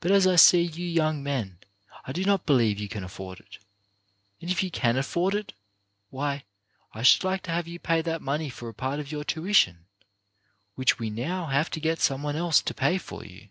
But as I see you young men, I do not believe you can afford it. And if you can afford it, why, I should like to have you pay that money for a part of your tuition, which we now have to get some one else to pay for you.